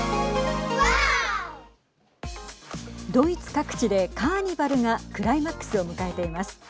ドイツ各地でカーニバルがクライマックスを迎えています。